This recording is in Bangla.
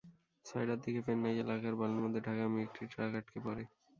ছয়টার দিকে পেন্নাই এলাকায় বালুর মধ্যে ঢাকাগামী একটি ট্রাক আটকে পড়ে।